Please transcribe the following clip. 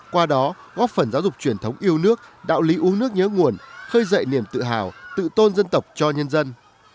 qua đó góp phần giáo dục truyền thống yêu nước đạo lý uống nước nhớ nguồn khơi dậy niềm tự hào tự tôn dân tộc cho nhân dân